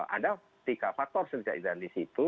ada tiga faktor sederhana di situ